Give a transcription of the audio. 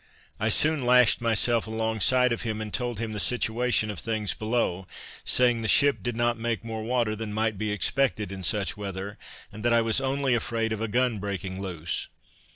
I soon lashed myself alongside of him, and told him the situation of things below, saying the ship did not make more water than might be expected in such weather, and that I was only afraid of a gun breaking loose.